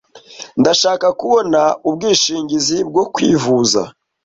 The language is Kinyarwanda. Ndashaka kubona ubwishingizi bwo kwivuza.